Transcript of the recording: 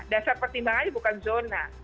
dasar pertimbangannya bukan zona